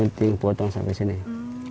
oh tidak boleh sampai habis ya